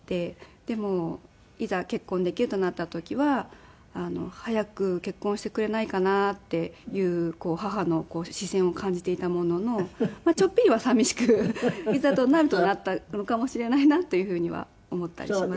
でもいざ結婚できるとなった時は早く結婚してくれないかなっていう母の視線を感じていたもののちょっぴりは寂しくいざとなるとなったのかもしれないなというふうには思ったりします。